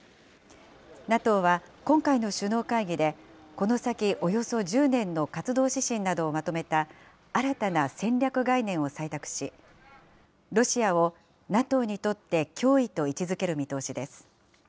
ＮＡＴＯは、今回の首脳会議で、この先およそ１０年の活動指針などをまとめた新たな戦略概念を採択し、ロシアをＮＡＴＯにとって脅威と位置づける見通しです。